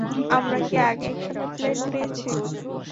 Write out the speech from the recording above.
আমরা কী আগে একসঙ্গে প্লেন উড়িয়েছি?